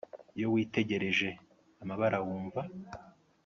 Iyo witegereje amabara wumva